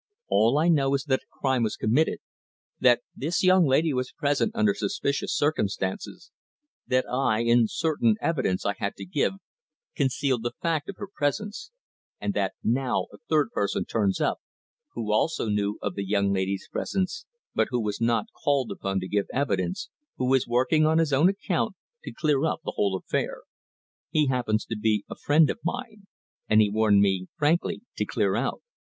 All I know is that a crime was committed; that this young lady was present under suspicious circumstances; that I, in certain evidence I had to give, concealed the fact of her presence; and that now a third person turns up, who also knew of the young lady's presence, but who was not called upon to give evidence, who is working on his own account to clear up the whole affair. He happens to be a friend of mine, and he warned me frankly to clear out."